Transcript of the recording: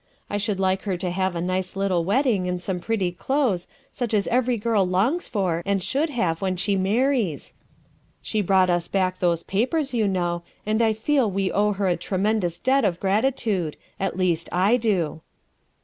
I should like her to have a nice little wedding and some pretty clothes, such as every THE SECRETARY OF STATE 351 girl longs for and should have when she marries. She brought us back those papers, you know, and I feel we owe her a tremendous debt of gratitude at least, I do.